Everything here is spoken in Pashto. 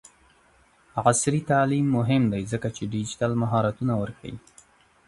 عصري تعلیم مهم دی ځکه چې ډیجیټل مهارتونه ورښيي.